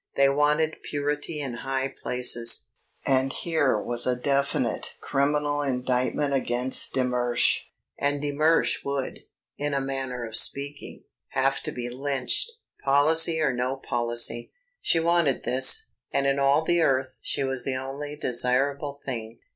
They wanted purity in high places, and here was a definite, criminal indictment against de Mersch. And de Mersch would in a manner of speaking, have to be lynched, policy or no policy. She wanted this, and in all the earth she was the only desirable thing.